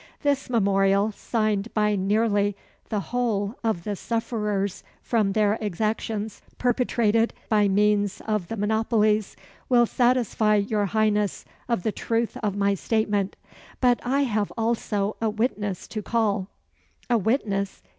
This memorial, signed by nearly the whole of the sufferers from their exactions, perpetrated by means of the monopolies, will satisfy your Highness of the truth of my statement but I have also a witness to call." "A witness!